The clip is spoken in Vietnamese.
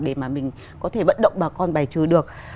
để mà mình có thể vận động bà con bài trừ được